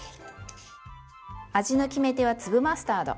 味の決め手は粒マスタード。